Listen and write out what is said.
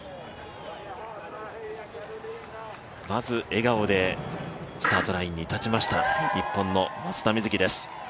まず笑顔でスタートラインに立ちました、日本の松田瑞生です。